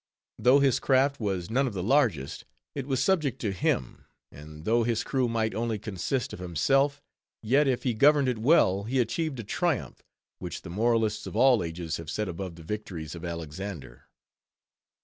Though his craft was none of the largest, it was subject to him; and though his crew might only consist of himself; yet if he governed it well, he achieved a triumph, which the moralists of all ages have set above the victories of Alexander.